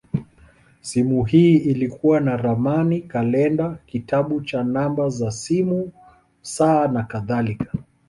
Simu hii ilikuwa na ramani, kalenda, kitabu cha namba za simu, saa, nakadhalika.